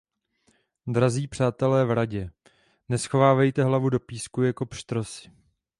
Drazí přátele v Radě, neschovávejte hlavu do písku jako pštrosi.